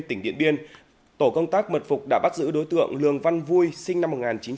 tỉnh điện biên tổ công tác mật phục đã bắt giữ đối tượng lường văn vui sinh năm một nghìn chín trăm tám mươi